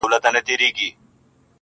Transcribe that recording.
نه یې شرم وو له کلي نه له ښاره!.